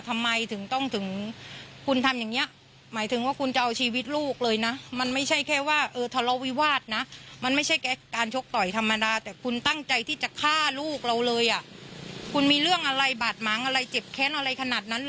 มันสาหัสขนาดไหนมันคุณมากัน๗๘คนแต่ว่าน้องเพื่อนกันแค่๓คน